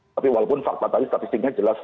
tapi walaupun fakta tadi statistiknya jelas